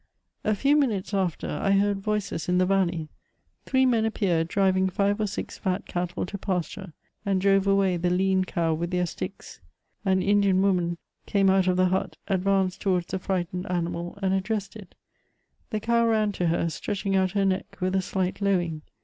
A few minutes after I heard voices in the valley; three men appeared, driving five or six fat cattle to pasture, and drove away the lean cow with their sticks. An Indian woman came out of the CHATEAUBBIANP. 267 hut, advanoed towards the frightened ammal and addressed it. The cow ran to her, stretching oat her neck with a slight lowing.